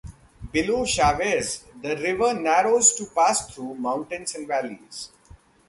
Below Chaves the river narrows to pass through mountains and valleys.